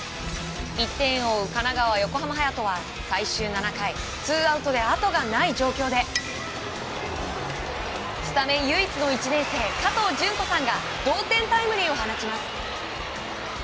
１点を追う神奈川・横浜隼人は最終７回ツーアウトであとがない状況でスタメン唯一の１年生加藤絢子さんが同点タイムリーを放ちます。